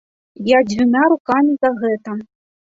Я дзвюма рукамі за гэта.